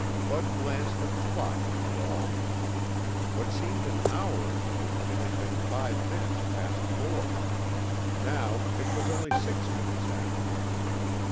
Bud glanced at the clock on the wall. What seemed an hour ago it had been five minutes past four. Now it was only six minutes after.